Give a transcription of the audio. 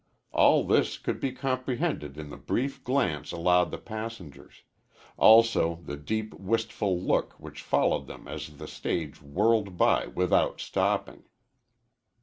All this could be comprehended in the brief glance allowed the passengers; also the deep wistful look which followed them as the stage whirled by without stopping.